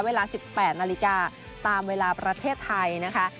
เวลา๑๘นาฬิกาตามเวลาประเทศไทยนะคะ